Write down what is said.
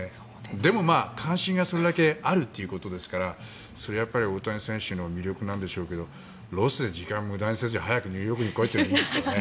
でも、関心がそれだけあるということですからそれは大谷選手の魅力なんでしょうがロスで時間を無駄にせず早くニューヨークに来いっていいですよね。